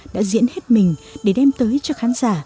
đã diễn hết mình để đem tới cho khán giả